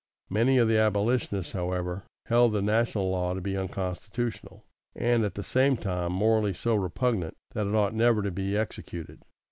Many of the Abolitionists, however, held the national law to be unconstitutional, and at the same time morally so repugnant that it ought never to be executed.